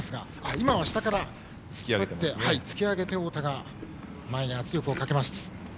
今は、下から突き上げて太田が前に圧力をかけます。